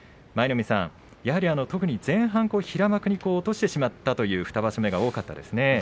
舞の海さん、やはり前半、平幕に落としてしまったという２場所目が多かったですね。